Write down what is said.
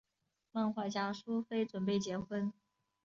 漫画家苏菲准备结婚。